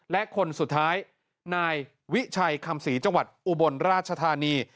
และคนสุดท้ายนายวิชัยคำศรีจังหวัดอุบลราชธานี